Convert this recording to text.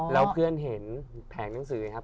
แล้วเพื่อนเห็นแผงหนังสือไหมครับ